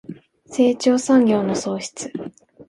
成長産業の創出